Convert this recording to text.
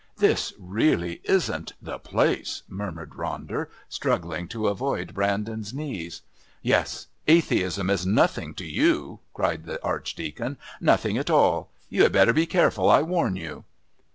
"This really isn't the place," murmured Ronder, struggling to avoid Brandon's knees. "Yes, atheism is nothing to you!" shouted the Archdeacon. "Nothing at all! You had better be careful! I warn you!"